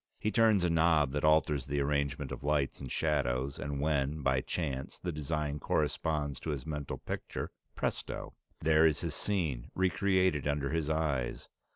He turns a knob that alters the arrangement of lights and shadows, and when, by chance, the design corresponds to his mental picture presto! There is his scene re created under his eyes.